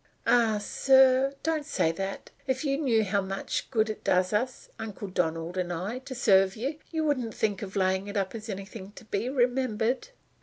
"Oh, sir, don't say that! If you knew how much good it does us Uncle Donald and I to serve you, you wouldn't think of layin' it up as anything to be remembered."